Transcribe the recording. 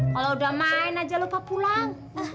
kalau udah main aja lupa pulang